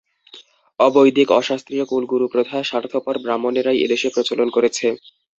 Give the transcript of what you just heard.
অবৈদিক অশাস্ত্রীয় কুলগুরুপ্রথা স্বার্থপর ব্রাহ্মণেরাই এদেশে প্রচলন করেছে।